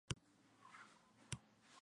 Establecieron dos monasterios en Roma.